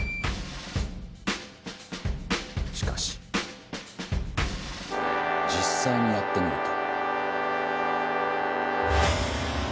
しかし実際にやってみると。